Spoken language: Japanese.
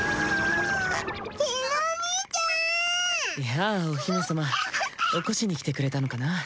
やあお姫様起こしに来てくれたのかな？